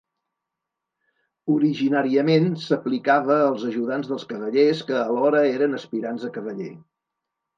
Originàriament, s'aplicava als ajudants dels cavallers, que alhora eren aspirants a cavaller.